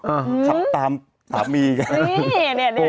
อืมขับตามศาลีแกออนี่เนี่ยเนี่ยเนี่ย